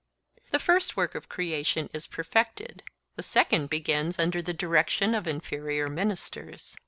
The first work of creation is perfected, the second begins under the direction of inferior ministers.